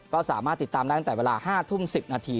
ก็สามารถติดตามได้ตั้งแต่เวลา๕ทุ่ม๑๐นาที